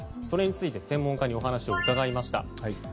それについて専門家にお話を伺いました。